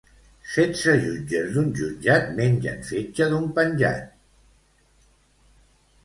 Setze jutges d'un jutjat mengen fetge d'un penjat.